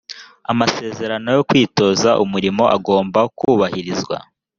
amasezerano yo kwitoza umurimo agomba kubahirizwa